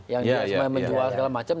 yang semuanya menjual segala macam